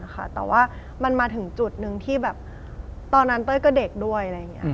แต่ว่ามันมาถึงจุดหนึ่งที่ตอนนั้นเต้อก็เด็กด้วย